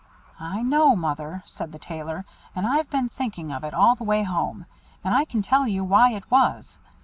"I know, Mother," said the Tailor, "and I've been thinking of it all the way home; and I can tell you why it was.